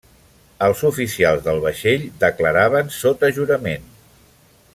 Els oficials del vaixell declaraven sota jurament.